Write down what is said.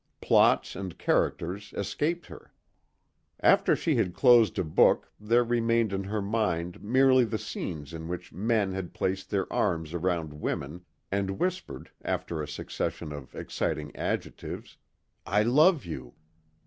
Plots and characters escaped her. After she had closed a book there remained in her mind merely the scenes in which men had placed their arms around women and whispered after a succession of exciting adjectives, "I love you."